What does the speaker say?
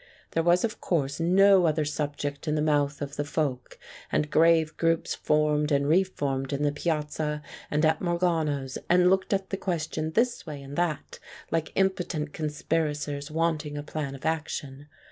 There was of course no other subject in the mouth of the folk, and grave groups formed and re formed in the piazza and at Morgano's, and looked at the question this way and that like impotent con spirators wanting a plan of action.